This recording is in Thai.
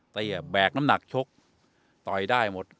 ใส่คือแบบน้ำหนักชกต่อยได้หมด